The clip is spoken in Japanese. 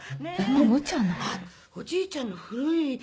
あっおじいちゃんの古い洋服